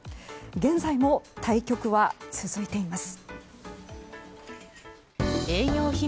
現在も対局は続いています。